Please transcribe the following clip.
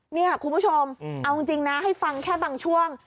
นี่คุณผู้ชมเอาจริงนะให้ฟังแค่บางช่วง